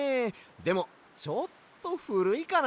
でもちょっとふるいかな。